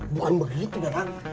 bukan begitu datang